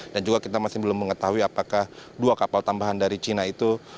dan juga kita masih belum mengetahui apakah dua kapal tambahan dari cina itu